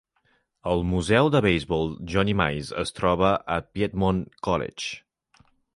El museu de beisbol Johnny Mize es troba al Piedmont College.